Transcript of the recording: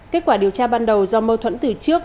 kết quả điều tra ban đầu do mâu thuẫn từ trước